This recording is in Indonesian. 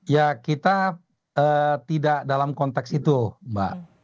ya kita tidak dalam konteks itu mbak